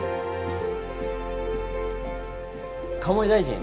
鴨井大臣。